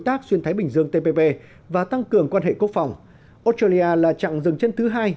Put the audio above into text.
tác xuyên thái bình dương và tăng cường quan hệ quốc phòng australia là trạng dừng chân thứ hai